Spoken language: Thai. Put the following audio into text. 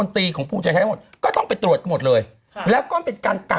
ต้องกักตัว๑๔วัน